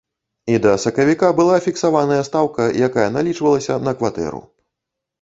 І да сакавіка была фіксаваная стаўка, якая налічвалася на кватэру.